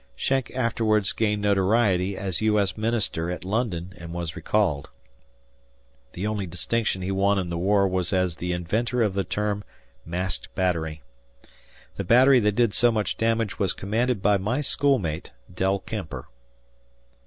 Schenck afterwards gained notoriety as U. S. Minister at London and was recalled. The only distinction he won in the war was as the inventor of the term "masked battery." The battery that did so much damage was commanded by my schoolmate, Del Kemper.